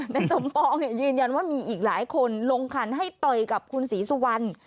ในสมปองยืนยันว่ามีอีกหลายคนลงขันให้ต่อยกับคุณศรีสุวรรณ